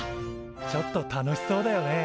ちょっと楽しそうだよね。